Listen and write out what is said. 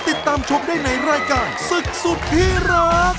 ติดตามชมได้ในรายการศึกสุดที่รัก